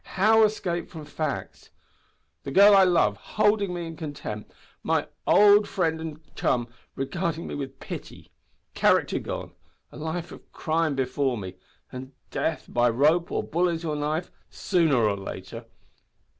how escape from facts? the girl I love holding me in contempt! my old friend and chum regarding me with pity! character gone! a life of crime before me! and death, by rope, or bullet or knife, sooner or later!